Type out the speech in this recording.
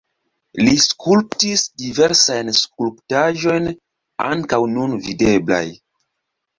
Li skulptis diversajn skulptaĵojn, ankaŭ nun videblaj.